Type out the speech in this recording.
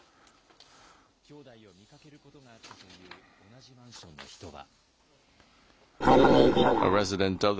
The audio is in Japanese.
兄弟を見かけることがあったという同じマンションの人は。